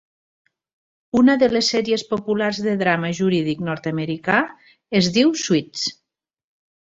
Una de les sèries populars de drama jurídic nord-americà es diu Suits.